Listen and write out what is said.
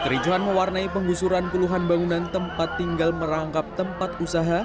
kericuhan mewarnai penggusuran puluhan bangunan tempat tinggal merangkap tempat usaha